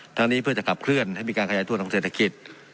ทั้งนี้เพื่อจะขับเคลื่อนให้มีการขยายตัวทางเศรษฐกิจ